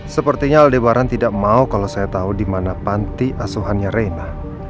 sepertinya aldebaran tidak mau kalo saya tau dimana panti asuhannya reina